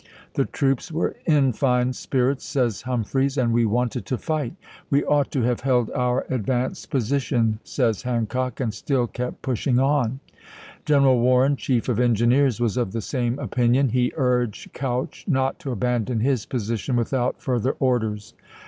" The troops were in fine spirits," says Humphreys, "and we wanted to fight." " We ought to have held our advanced positions," says Hancock, " and still kept pushing on." General Warren, Chief of Engineers, was of the same opin ion; he urged Couch not to abandon his position without further orders.